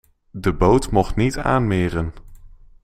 De boot mocht niet aanmeren.